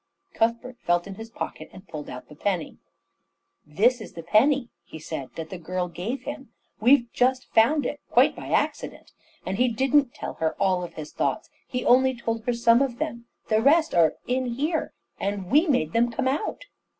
Cuthbert felt in his pocket and pulled out the penny. "This is the penny," he said, "that the girl gave him. We've just found it, quite by accident. And he didn't tell her all of his thoughts. He only told her some of them. The rest are in here, and we made them come out."